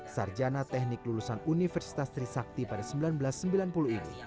sarjana teknik lulusan universitas trisakti pada seribu sembilan ratus sembilan puluh ini